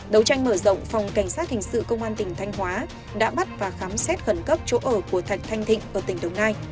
đấu tranh mở rộng phòng cảnh sát hình sự công an tỉnh thanh hóa đã bắt và khám xét khẩn cấp chỗ ở của thạch thanh thịnh ở tỉnh đồng nai